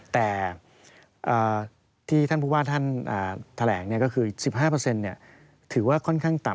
แต่ที่ท่านผู้ว่าท่านแถลงก็คือ๑๕ถือว่าค่อนข้างต่ำ